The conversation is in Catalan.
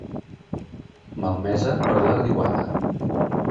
Malmesa per la riuada.